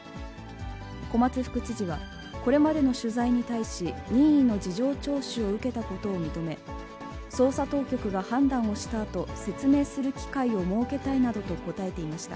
小松副知事は、これまでの取材に対し、任意の事情聴取を受けたことを認め、捜査当局が判断をしたあと、説明する機会を設けたいなどと答えていました。